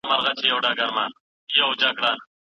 کینډیډا فنګس په برس کې ژوند کوي.